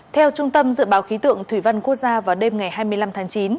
theo trung tâm dự báo khí tượng thủy văn quốc gia vào đêm ngày hai mươi năm tháng chín